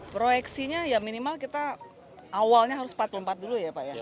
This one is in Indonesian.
proyeksinya ya minimal kita awalnya harus empat puluh empat dulu ya pak ya